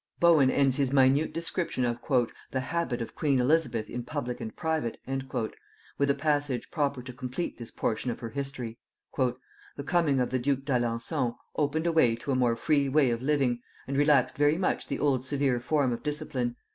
Bohun ends his minute description of "the habit of queen Elizabeth in public and private" with a passage proper to complete this portion of her history. "The coming of the duke d'Alençon opened a way to a more free way of living, and relaxed very much the old severe form of discipline.